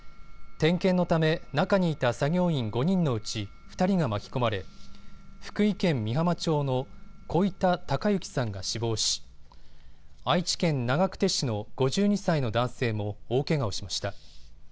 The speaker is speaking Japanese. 点検のため、中にいた作業員５人のうち２人が巻き込まれ、福井県美浜町の小板孝幸さんが死亡し、愛知県長久手町の５２歳の男性も大けがをしました。